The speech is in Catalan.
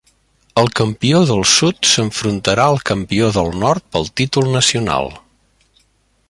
El campió del sud s'enfrontarà al campió del nord pel títol nacional.